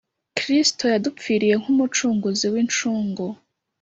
Kristo yadupfiriye nk'umucunguzi w'inshungu: